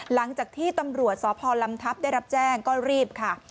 หลังจากที่ตำรวจสพลำทัพได้รับแจ้งก็รีบค่ะ